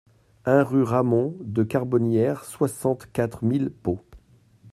un rue Ramon de Carbonnieres, soixante-quatre mille Pau